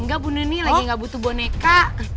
enggak bu nuni lagi gak butuh boneka